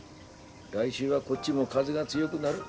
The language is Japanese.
来週はこっちも風が強ぐなる。